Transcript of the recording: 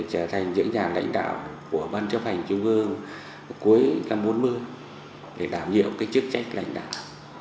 trở thành những nhà lãnh đạo của ban chấp hành trung ương cuối năm bốn mươi để làm nhiều chức trách lãnh đạo